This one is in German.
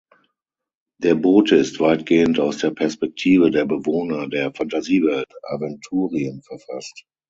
Der Bote ist weitgehend aus der Perspektive der Bewohner der Fantasiewelt Aventurien verfasst.